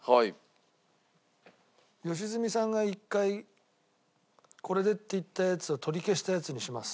良純さんが１回これでって言ったやつを取り消したやつにします。